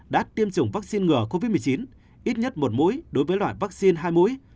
đã tiêm chủng vaccine ngừa covid một mươi chín ít nhất một mũi đối với loại vaccine hai mũi